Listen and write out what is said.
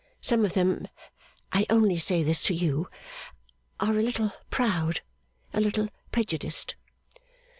Some of them I only say this to you are a little proud, a little prejudiced.